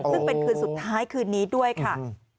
ซึ่งเป็นคืนสุดท้ายคืนนี้ด้วยค่ะ